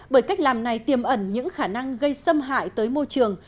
bởi cách làm này tiềm ẩn những khả năng gây xâm hại tới môi trường